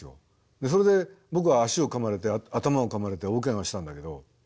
それで僕は足をかまれて頭をかまれて大ケガをしたんだけど。